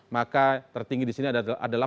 maka tertinggi disini adalah